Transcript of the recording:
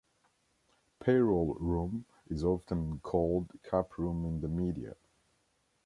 Payroll room is often called cap room in the media.